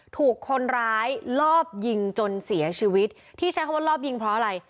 ถูกคนร้ายลอบยิงจนเสียชีวิตที่ใช้คำว่ารอบยิงเพราะอะไร